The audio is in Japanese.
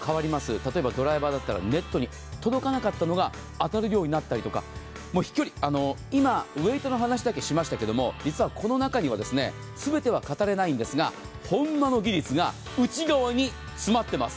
例えばドライバーだったらネットに届かなかったのが当たるようになったりとか飛距離、今、ウェイトの話だけしましたけど、実はこの中には全ては語れないんですが、本間の技術が内側に詰まっています。